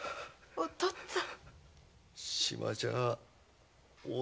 お父っつぁん。